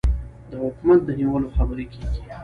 د حکومت د نیولو خبرې کېږي.